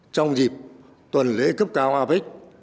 trong dịp tuần lễ cấp cao apec